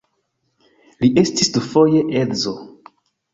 Li estis dufoje edzo.